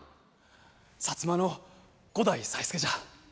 薩摩の五代才助じゃ。